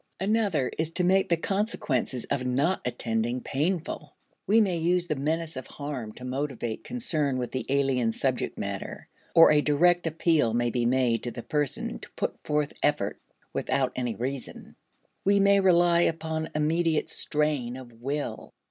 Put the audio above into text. Another is to make the consequences of not attending painful; we may use the menace of harm to motivate concern with the alien subject matter. Or a direct appeal may be made to the person to put forth effort without any reason. We may rely upon immediate strain of "will."